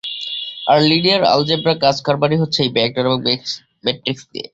আর linear algebra কাজ কারবারই হচ্ছে এই ভেক্টর এবং ম্যাট্রিক্স নিয়ে।